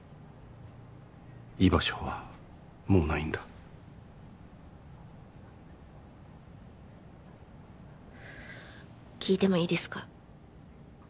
居場所はもうないんだ聞いてもいいですか？